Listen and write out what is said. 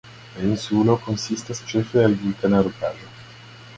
La insulo konsistas ĉefe el vulkana rokaĵo.